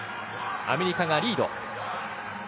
アメリカがリード。